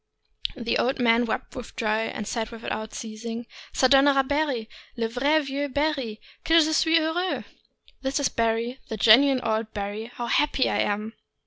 The old man wept with joy, and said, without ceasing : "(Jo, donnera Barry, le vrai meux Barry; gue je suis heureux !" (This is Barry, the genuine old Barry; how happy I am!).